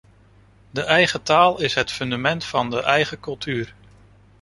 De eigen taal is het fundament van de eigen cultuur.